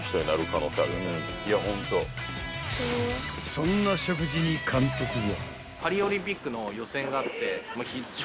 ［そんな食事に監督は］